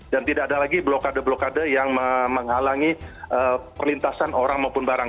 dan tidak ada lagi blokade blokade yang menghalangi perlintasan orang maupun barang